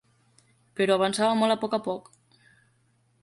Però avançava molt a poc a poc.